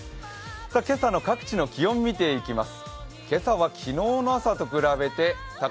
今朝の各地の気温を見ていきます。